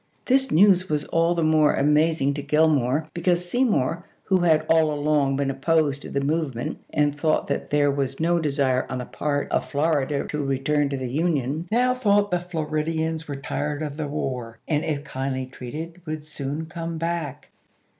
This news was all the more amazing to Gillmore because Seymour, who had all along been opposed to the movement and thought that there was no desire on the part of Florida to return to the Union, now thought the Floridians were tired of the war, and if kindly treated would soon come back.